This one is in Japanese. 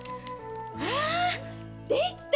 あできた！